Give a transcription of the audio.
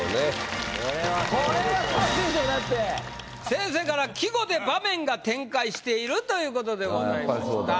先生から「季語で場面が展開している！」ということでございました。